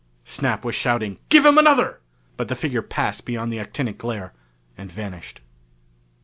Snap was shouting, "Give him another!" But the figure passed beyond the actinic glare and vanished.